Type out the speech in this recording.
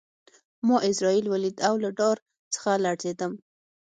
ما عزرائیل ولید او له ډار څخه لړزېدم